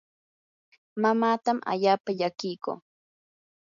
mamaatam allaapa llakiyku.